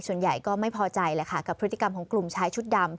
ส่วนใหญ่ก็ไม่พอใจแหละค่ะกับพฤติกรรมของกลุ่มชายชุดดำ